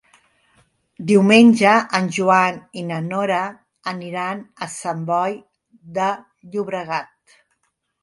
Diumenge en Joan i na Nora aniran a Sant Boi de Llobregat.